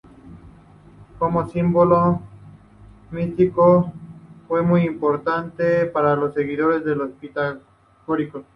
Como símbolo místico, fue muy importante para los seguidores de los pitagóricos.